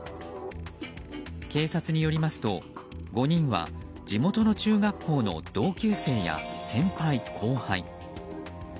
警察によりますと５人は地元の中学校の同級生や先輩・後輩。